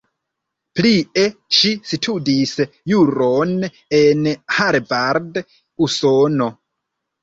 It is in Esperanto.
Plie ŝi studis juron en Harvard, Usono.